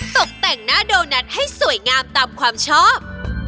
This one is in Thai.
ตกแต่งหน้าโดนัทให้สวยงามตามความชอบ